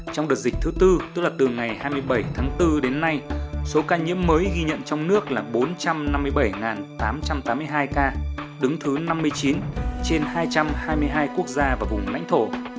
trong đợt dịch thứ tư tức là từ ngày hai mươi bảy tháng bốn đến nay số ca nhiễm mới ghi nhận trong nước là bốn trăm năm mươi bảy tám trăm tám mươi hai ca đứng thứ năm mươi chín trên hai trăm hai mươi hai quốc gia và vùng lãnh thổ